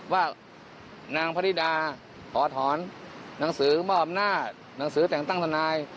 ว่านางพฤดีราอถอนหนังสือมอนหนังสือแต่งตั้งสนาย